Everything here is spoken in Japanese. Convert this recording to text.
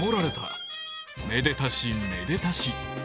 めでたしめでたし。